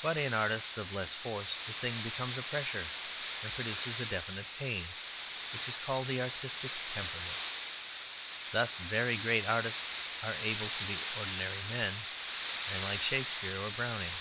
But in artists of less force, the thing becomes a pressure, and produces a definite pain, which is called the artistic temperament. Thus, very great artists are able to be ordinary men men like Shakespeare or Browning.